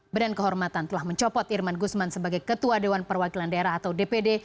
badan kehormatan telah mencopot irman gusman sebagai ketua dewan perwakilan daerah atau dpd